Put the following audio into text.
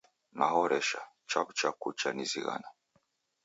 Nahoresha, chaw'ucha kucha nizighana